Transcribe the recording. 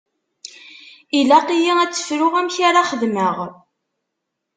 Ilaq-iyi ad tt-fruɣ amek ara xedmeɣ.